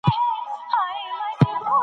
صبر کول د کامیابۍ کیلي ده.